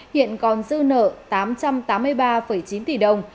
hiện còn dư nợ tám trăm tám mươi ba chín tỷ đồng